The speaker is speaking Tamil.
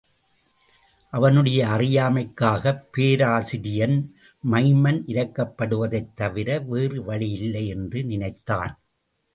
அவனுடைய அறியாமைக்காகப் பேராசிரியன் மைமன் இரக்கப்படுவதைத் தவிர வேறு வழியில்லை என்று நினைத்தான்.